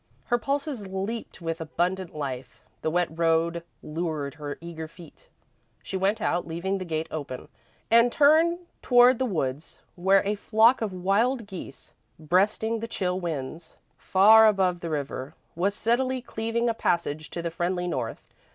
Her pulses leaped with abundant life; the wet road lured her eager feet. She went out, leaving the gate open, and turned toward the woods, where a flock of wild geese, breasting the chill winds far above the river, was steadily cleaving a passage to the friendly North.